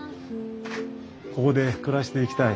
ここで暮らしていきたい